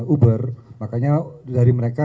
uber makanya dari mereka